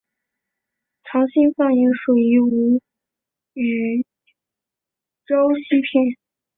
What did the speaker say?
长兴方言属于吴语苕溪片。